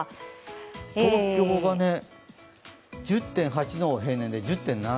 東京がね、１０．８の平年で、１０．７。